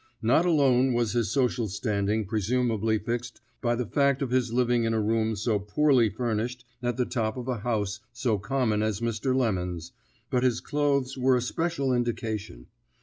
Not alone was his social standing presumably fixed by the fact of his living in a room so poorly furnished at the top of a house so common as Mr. Lemon's, but his clothes were a special indication.